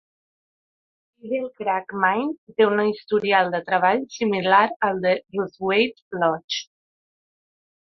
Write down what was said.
Eagle Crag Mine té un historial de treball similar al de Ruthwaite Lodge.